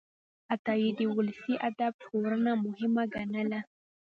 عطایي د ولسي ادب ژغورنه مهمه ګڼله.